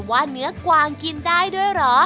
ว่าเนื้อกวางกินได้ด้วยเหรอ